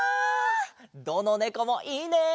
どのねこもいいね！